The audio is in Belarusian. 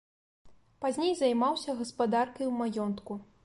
Пазней займаўся гаспадаркай у маёнтку.